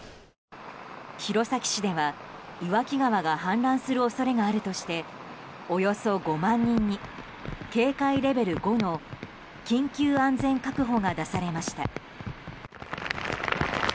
弘前市では岩木川が氾濫する恐れがあるとしておよそ５万人に警戒レベル５の緊急安全確保が出されました。